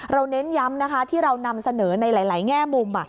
เน้นย้ำนะคะที่เรานำเสนอในหลายแง่มุม